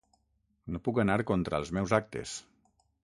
No puc anar contra els meus actes.